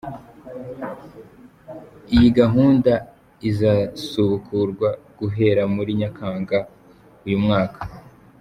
Iyi gahunda izasubukurwa guhera muri Nyakanga uyu mwaka.